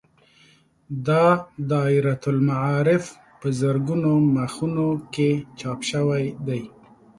دا دایرة المعارف په زرګونو مخونو کې چاپ شوی دی.